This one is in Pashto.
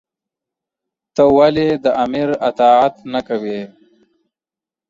تۀ ولې د آمر اطاعت نۀ کوې؟